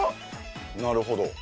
なるほど。